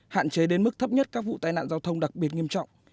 hạn chế đến mức thấp nhất các vụ tai nạn giao thông đặc biệt nghiêm trọng